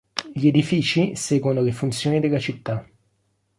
Gli edifici seguono le funzioni della città.